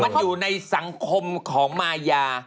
มันอยู่ในสังคมของมายา